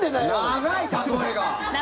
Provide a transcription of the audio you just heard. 長い、例えが！